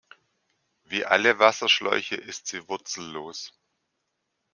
Wie alle Wasserschläuche ist sie wurzellos.